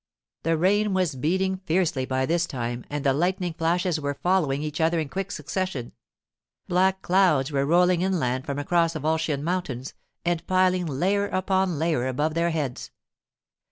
The rain was beating fiercely by this time, and the lightning flashes were following each other in quick succession. Black clouds were rolling inland from across the Volscian mountains and piling layer upon layer above their heads.